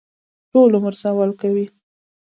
ټول عمر سوال کوي.